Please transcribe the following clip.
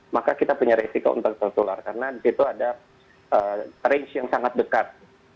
maka kita punya resiko untuk tertular karena di situ ada range yang sangat dekat